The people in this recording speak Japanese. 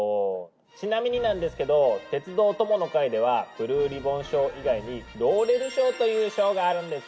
ちなみになんですけど「鉄道友の会」ではブルーリボン賞以外に「ローレル賞」という賞があるんです。